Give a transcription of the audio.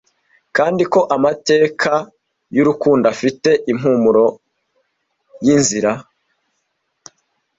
kandi ko amateka yurukundo afite impumuro yinzira